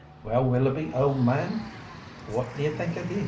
"Well, Willoughby, old man; what do you think of this?"